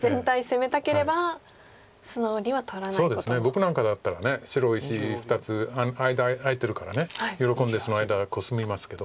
僕なんかだったら白石２つ間空いてるから喜んでその間コスみますけど。